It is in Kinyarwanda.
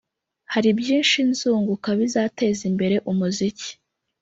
hari byinshi nzunguka bizateza imbere umuziki